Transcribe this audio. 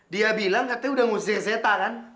dia bilang katanya udah nge zeta kan